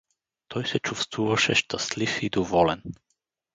Той се чувствуваше щастлив и доволен.